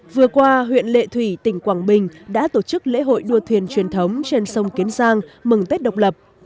vừa qua huyện lệ thủy tỉnh quảng bình đã tổ chức lễ hội đua thuyền truyền thống trên sông kiến giang mừng tết độc lập